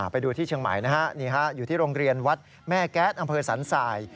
ไปดูที่เชียงใหม่นะฮะอยู่ที่โรงเรียนวัดแม่แก๊สอำเภอสันสาย